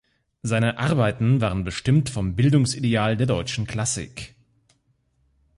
Seine Arbeiten waren bestimmt vom Bildungsideal der deutschen Klassik.